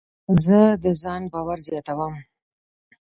زه د ځان باور زیاتوم.